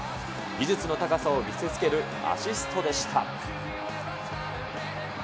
技術の高さを見せつけるアシストでした。